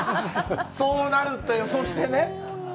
そうなると予想してね。